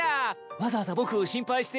わざわざ僕を心配して？